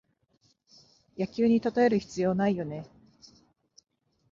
野球にたとえる必要ないよね